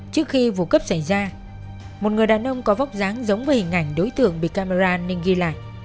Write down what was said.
trước khi vụ cấp xảy ra một người đàn ông có vóc dáng giống với hình ảnh đối tượng bị camera nên ghi lại